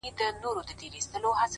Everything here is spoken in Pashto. په تا هيـــــڅ خــــبر نـــه يــــم ـ